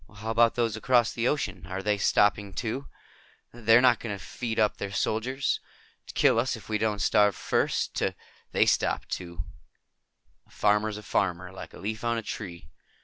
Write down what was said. "How about those across the ocean? Are they stopping, too? They're not going to feed up their soldiers? To kill us if we don't starve first? To " "They stopped, too. A farmer is a farmer. Like a leaf on a tree.